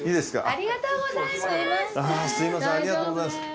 ありがとうございます。